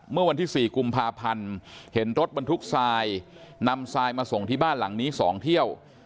เมื่อวันที่๔กุมภาพันธ์เห็นรถบรรทุกทรายนำทรายมาส่งที่บ้านหลังนี้๒เที่ยว